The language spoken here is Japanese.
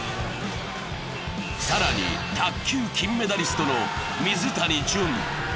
更に卓球・金メダリストの水谷隼。